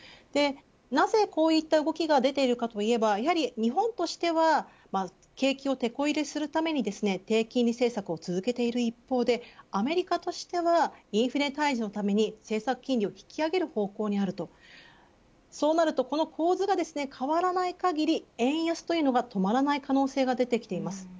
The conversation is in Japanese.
なぜこういった動きが出ているかといえばやはり日本としては景気をてこ入れするために低金利政策を続けている一方でアメリカとしてはインフレ退治のために政策金利を引き上げる方向にあるそうなるとこの構図が変わらない限り円安というのが止まらない可能性が出てきています。